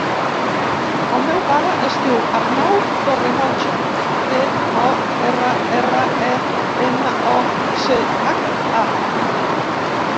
El meu pare es diu Arnau Torremocha: te, o, erra, erra, e, ema, o, ce, hac, a.